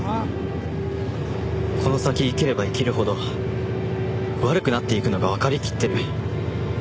この先生きれば生きるほど悪くなっていくのがわかりきってる。